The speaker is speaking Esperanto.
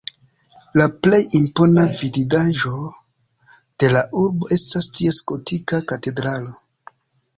La plej impona vidindaĵo de la urbo estas ties gotika katedralo.